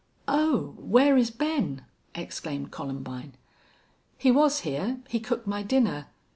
"Oh!... Where is Ben?" exclaimed Columbine. "He was here. He cooked my dinner.